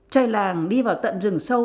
trời làng đi vào tận rừng sâu